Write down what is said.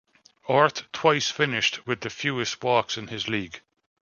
Orth twice finished with the fewest walks in his league.